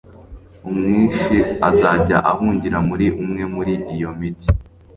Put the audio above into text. umwishi azajya ahungira muri umwe muri iyo migi